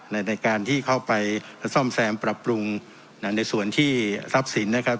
ในการที่เข้าไปซ่อมแซมปรับปรุงในส่วนที่ทรัพย์สินนะครับ